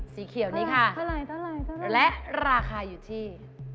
สีเขียวนี้ค่ะและราคาอยู่ที่